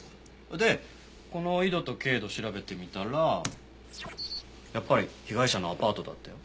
でこの緯度と経度調べてみたらやっぱり被害者のアパートだったよ。